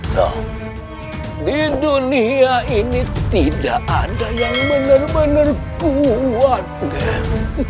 so di dunia ini tidak ada yang benar benar kuat kan